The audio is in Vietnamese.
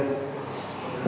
nên chữ nguyên đán